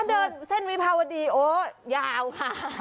เดินเส้นวิภาวดีโอ้ยาวค่ะ